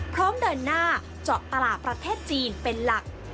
พร้อมเดินหน้าเจาะตลาดประเทศจีนเป็นหลัก